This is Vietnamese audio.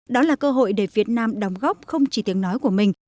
đó là cơ hội để việt nam đóng góp không chỉ tiếng nói của mình